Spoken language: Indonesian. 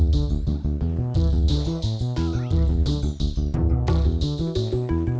sehingga jugaopersnya adalah tersinggung libub nilai besar